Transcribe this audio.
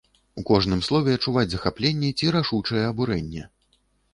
У кожным слове чуваць захапленне ці рашучае абурэнне.